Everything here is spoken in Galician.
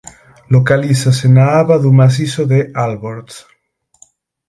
Localízase na aba do macizo de Alborz.